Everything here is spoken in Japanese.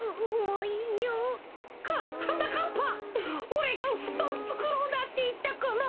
おれがふとんつくろうなんていったから。